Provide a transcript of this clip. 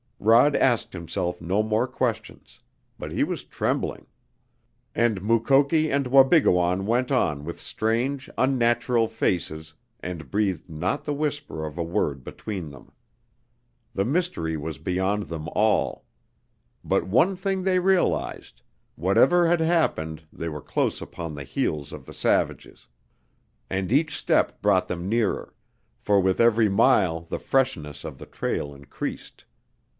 Rod asked himself no more questions. But he was trembling. And Mukoki and Wabigoon went on with strange, unnatural faces and breathed not the whisper of a word between them. The mystery was beyond them all. But one thing they realized, whatever had happened they were close upon the heels of the savages. And each step brought them nearer, for with every mile the freshness of the trail increased.